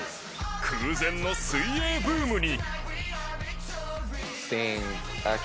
空前の水泳ブームに。